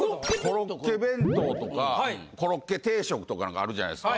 コロッケ弁当とかコロッケ定食とか何かあるじゃないですか。